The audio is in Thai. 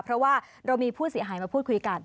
เพราะว่าเรามีผู้เสียหายมาพูดคุยกัน